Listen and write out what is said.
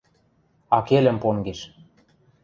— Акелӹм понгеш!..